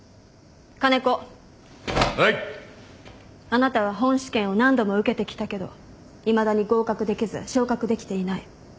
あなたは本試験を何度も受けてきたけどいまだに合格できず昇格できていない。